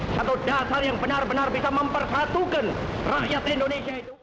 satu dasar yang benar benar bisa mempersatukan rakyat indonesia itu